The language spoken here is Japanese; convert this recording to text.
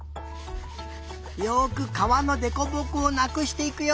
よくかわのでこぼこをなくしていくよ。